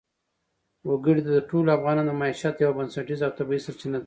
وګړي د ټولو افغانانو د معیشت یوه بنسټیزه او طبیعي سرچینه ده.